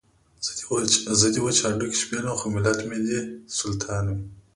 زه دې وچ هډوکي شپېلم خو ملت مې دې سلطان وي.